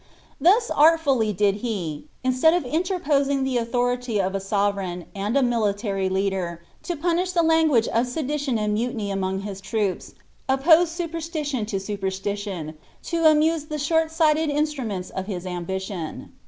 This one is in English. * Thus artfully did he, instead of interposing the authority of a 9Vt *eign, and a military leader, to punish the language of sedition and mutiny among his troops, oppose superstition to superstition, to amtiae tlie ihort «ighi»d insirmuenis of hts ambition.